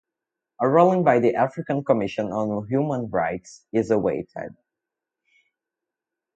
A ruling by the African Commission on Human Rights is awaited.